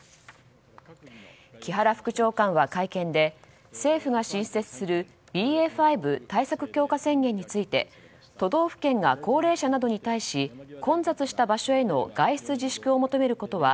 木原副長官は会見で政府が新設するＢＡ．５対策強化宣言について都道府県が高齢者などに対し混雑した場所への外出自粛を求めることは